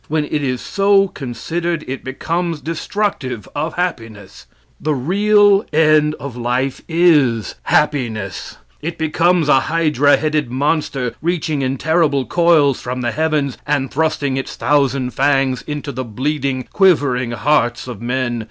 When it is so considered it becomes destructive of happiness. The real end of life is, happiness. It becomes a hydra headed monster, reaching in terrible coils from the heavens, and thrusting its thousand fangs into the bleeding, quivering hearts of men.